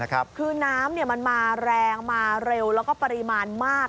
คือน้ำมันมาแรงมาเร็วแล้วก็ปริมาณมาก